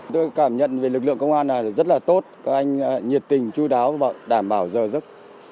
tôi cảm nhận về lực lượng công an này là rất là tốt các anh nhiệt tình chú đáo và đảm bảo giờ rất